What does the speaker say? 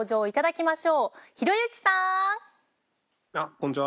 こんにちは。